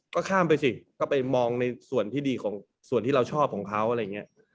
ก็ข้ามไปสิก็ไปมองในส่วนที่ดีของส่วนที่เราชอบของเขาอะไรอย่างนี้